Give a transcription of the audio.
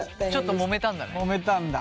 もめたんだ。